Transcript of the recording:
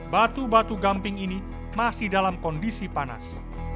batu batu gamping ini masih dalam kondisi panas